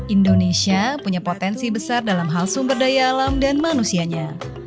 indonesia punya potensi besar dalam hal sumber daya alam dan manusianya